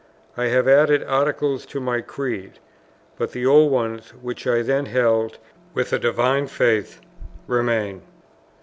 I have added Articles to my Creed; but the old ones, which I then held with a divine faith, remain.